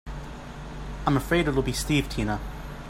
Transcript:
I'm afraid it'll be Steve Tina.